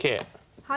はい。